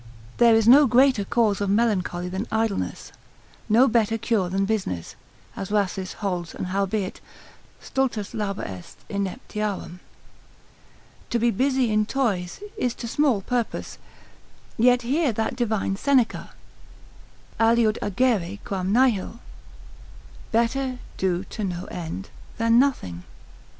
There is no greater cause of melancholy than idleness, no better cure than business, as Rhasis holds: and howbeit, stultus labor est ineptiarum, to be busy in toys is to small purpose, yet hear that divine Seneca, aliud agere quam nihil, better do to no end, than nothing.